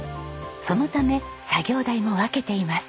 そのため作業台も分けています。